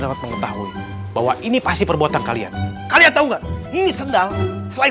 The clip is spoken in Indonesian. dapat mengetahui bahwa ini pasti perbuatan kalian kalian tahu enggak ini sendal selain